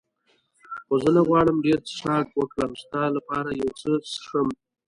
خو زه نه غواړم ډېر څښاک وکړم، ستا لپاره یو څه څښم.